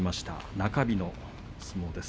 中日の相撲です。